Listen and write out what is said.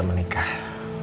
ketemu lagi ya kak sofia